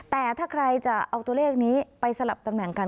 แต่ถ้าใครจะเอาตัวเลขนี้ไปสลับตำแหน่งกัน